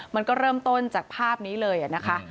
มันก็เริ่มต้นจากภาพนี้เลยนะคะ